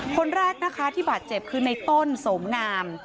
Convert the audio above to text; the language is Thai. คนแรกนะคะที่บาดเจ็บคือในต้นโสมงาม